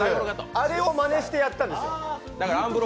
あれをまねしてやったんですよ。